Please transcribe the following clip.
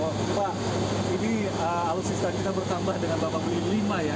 pak ini alutsista kita bertambah dengan bapak ya